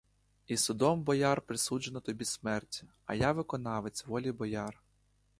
І судом бояр присуджено тобі смерть, а я виконавець волі бояр!